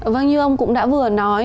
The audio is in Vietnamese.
vâng như ông cũng đã vừa nói